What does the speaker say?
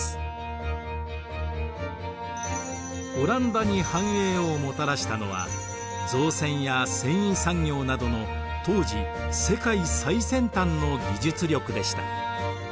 オランダに繁栄をもたらしたのは造船や繊維産業などの当時世界最先端の技術力でした。